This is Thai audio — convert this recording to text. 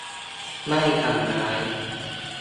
ไม่ทำร้าย